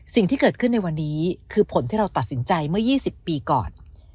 สิ่งที่เกิดขึ้นในวันนี้คือผลที่เราตัดสินใจเมื่อ๒๐ปีก่อน